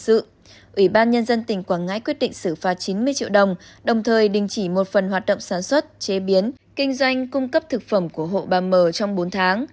ủy ban nhân dân tỉnh quảng ngãi quyết định xử phạt chín mươi triệu đồng đồng thời đình chỉ một phần hoạt động sản xuất chế biến kinh doanh cung cấp thực phẩm của hộ bà mờ trong bốn tháng